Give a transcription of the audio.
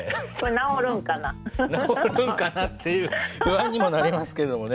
直るんかなっていう不安にもなりますけどもね。